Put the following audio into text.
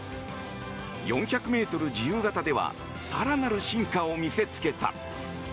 ４００ｍ自由形では更なる進化を見せつけた。